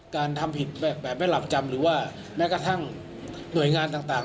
การทำผิดแบบไม่หลับจำหรือว่าแม้กระทั่งหน่วยงานต่าง